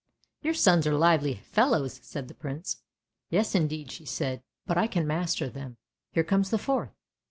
" Your sons are lively fellows! " said the Prince. " Yes, indeed," she said; " but I can master them! Here comes the fourth."